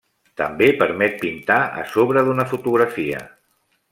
També permet pintar a sobre d’una fotografia.